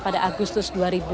pada agustus dua ribu dua puluh